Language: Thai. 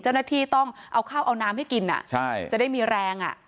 เจ้าหน้าที่ต้องเอาข้าวเอาน้ำให้กินจะได้มีแรง